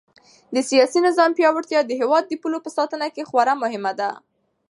د سیاسي نظام پیاوړتیا د هېواد د پولو په ساتنه کې خورا مهمه ده.